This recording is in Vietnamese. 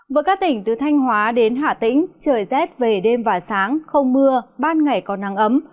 với các tỉnh từ thanh hóa đến hạ tĩnh trời rét về đêm và sáng không mưa ban ngày có nắng ấm